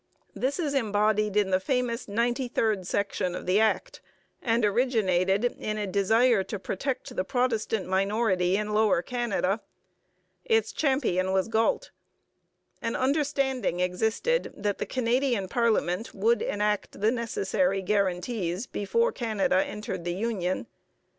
This is embodied in the famous ninety third section of the Act, and originated in a desire to protect the Protestant minority in Lower Canada. Its champion was Galt. An understanding existed that the Canadian parliament would enact the necessary guarantees before Canada entered the union.